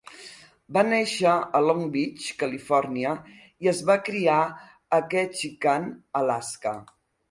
Va néixer a Long Beach, Califòrnia i es va criar a Ketchikan, Alaska.